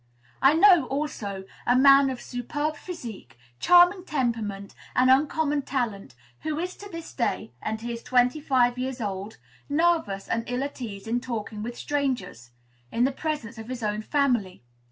I know, also, a man of superb physique, charming temperament, and uncommon talent, who is to this day and he is twenty five years old nervous and ill at ease in talking with strangers, in the presence of his own family.